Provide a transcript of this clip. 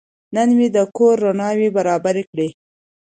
نن مې د کور رڼاوې برابرې کړې.